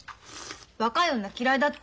若い女嫌いだって。